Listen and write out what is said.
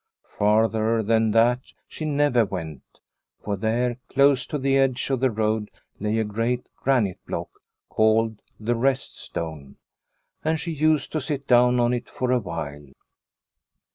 Farther than that she never went ; for there, close to the edge of the road, lay a great granite block called the Rest Stone, and she used to sit down on it for a while.